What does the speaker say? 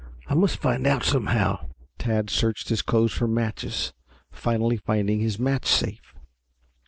I must find out somehow." Tad searched his clothes for matches, finally finding his match safe.